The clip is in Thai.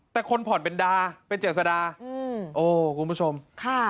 แต่คนผ่อนเป็นดาเป็นเจษดาอืมโอ้คุณผู้ชมค่ะ